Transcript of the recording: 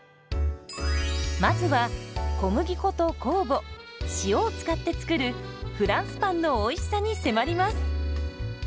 まずは小麦粉と酵母塩を使って作るフランスパンのおいしさに迫ります。